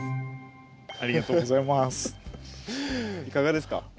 いかがですか？